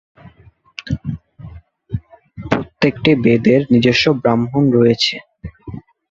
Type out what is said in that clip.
প্রত্যেকটি বেদের নিজস্ব "ব্রাহ্মণ" রয়েছে।